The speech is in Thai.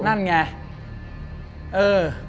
นั่นไงเออ